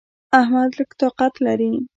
احمد لږ طاقت لري.